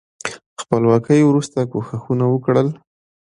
خپلواکۍ وروسته کوښښونه وکړل.